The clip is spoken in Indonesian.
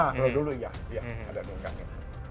kalau dulu iya iya ada yang mendunggangi